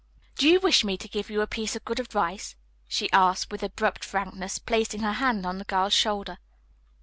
"Do you wish me to give you a piece of good advice?" she asked with abrupt frankness, placing her hand on the girl's shoulder.